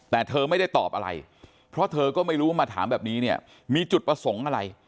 แต่เธอไม่ได้ตอบอะไรเพราะเธอก็ไม่รู้ว่ามาถามแบบนี้เนี่ยมีจุดประสงค์อะไร